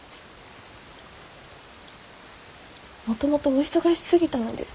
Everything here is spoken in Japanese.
もともとお忙しすぎたのです。